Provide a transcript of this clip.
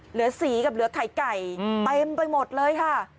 เหลือสีกับเหลือไข่ไก่เต็มไปหมดเลยค่ะ